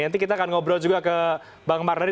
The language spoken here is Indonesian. nanti kita akan ngobrol juga ke bang mardhani